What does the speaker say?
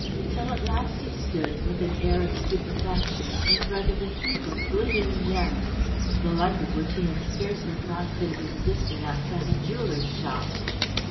Till at last he stood, with an air of stupefaction, in front of a heap of glittering gems, the like of which he had scarcely thought could have existed outside a jeweller's shop.